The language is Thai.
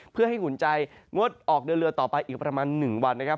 เพื่อให้หุ่นใจงดออกเดินเรือต่อไปอีกประมาณ๑วันนะครับ